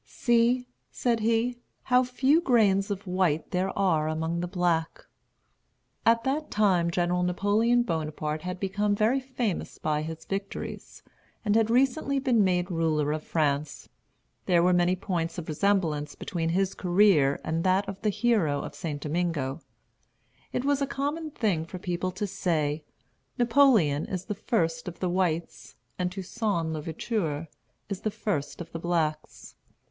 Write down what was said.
"See," said he, "how few grains of white there are among the black." At that time General Napoleon Bonaparte had become very famous by his victories, and had recently been made ruler of France. There were many points of resemblance between his career and that of the hero of St. Domingo; and it was a common thing for people to say, "Napoleon is the First of the Whites, and Toussaint l'Ouverture is the First of the Blacks."